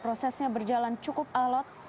prosesnya berjalan cukup alat